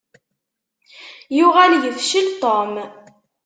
Yuɣal yefcel Tom.